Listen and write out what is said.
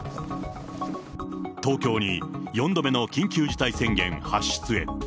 東京に４度目の緊急事態宣言発出へ。